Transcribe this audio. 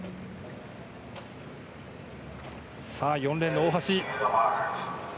４レーンの大橋。